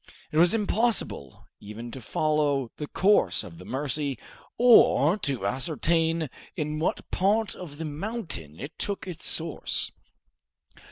It was impossible even to follow the course of the Mercy, or to ascertain in what part of the mountain it took its source.